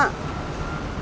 tiba tiba ada kerjaan jadi